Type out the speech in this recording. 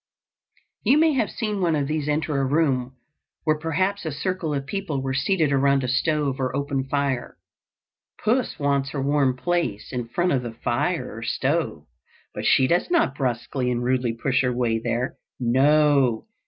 You may have seen one of these enter a room where perhaps a circle of people were seated around a stove or open fire. Puss wants her warm place in front of the fire or stove, but she does not brusquely and rudely push her way there. No.